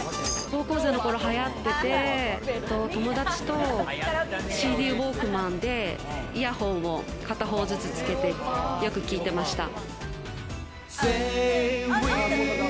高校生の頃、流行ってて、友達とＣＤウォークマンでイヤホンを片方ずつつけてよく聴いてました。